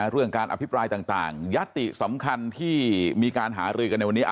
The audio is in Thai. เรื่องการอภิปรายต่างยัตติสำคัญที่มีการหารือกันในวันนี้